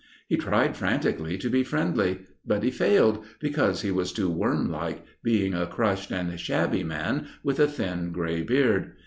He tried frantically to be friendly; but he failed, because he was too wormlike, being a crushed and shabby man with a thin, grey beard.